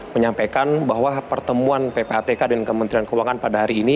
menyampaikan bahwa pertemuan ppatk dan kementerian keuangan pada hari ini